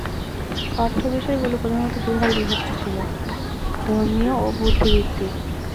পাঠ্য বিষয়গুলি প্রধানত দুভাগে বিভক্ত ছিল- ধর্মীয় ও বুদ্ধিবৃত্তিক।